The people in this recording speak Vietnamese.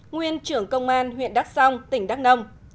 nguyên trưởng công an huyện đắk song tỉnh đắk nông